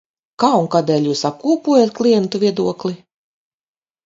Kā un kādēļ jūs apkopojat klientu viedokli?